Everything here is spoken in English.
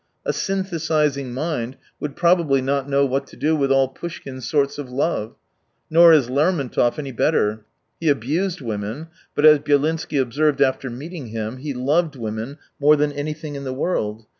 A synthesising mind would probably not know what to do with all Poushkin's sorts of love. Nor is Lermon tov any better. He abused women, but, as Byelinsky observed after meeting him, he loved women more than anything in 152 the world.